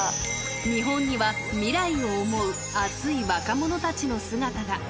日本には、未来を想う熱い若者たちの姿が。